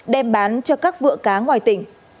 đem bán cho các vựa cá ngoài tỉnh